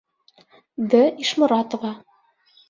Д. ИШМОРАТОВА.